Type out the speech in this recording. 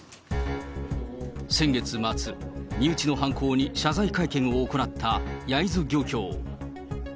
先月末、身内の犯行に謝罪会見を行った焼津漁協。